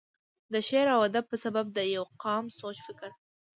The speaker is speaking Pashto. دَ شعر و ادب پۀ سبب دَ يو قام سوچ فکر،